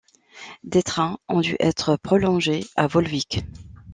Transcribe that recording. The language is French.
Des trains ont dû être prolongés à Volvic.